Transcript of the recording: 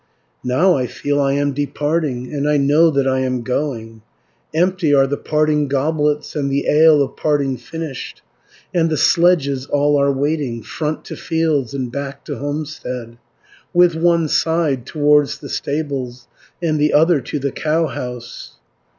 Now I feel I am departing, And I know that I am going. 320 Empty are the parting goblets, And the ale of parting finished, And the sledges all are waiting, Front to fields, and back to homestead, With one side towards the stables, And the other to the cowhouse.